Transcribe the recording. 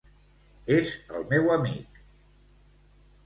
És el meu amic.